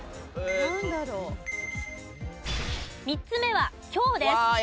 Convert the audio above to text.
３つ目は「教」です。